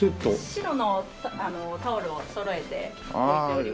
白のタオルをそろえて置いておりまして。